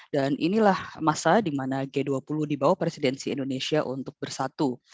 dan inilah masa di mana g dua puluh dibawa presidensi indonesia untuk bersatu